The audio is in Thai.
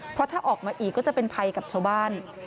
เพราะถ้าออกมาอีกก็จะเป็นภัยกับชาวบ้าน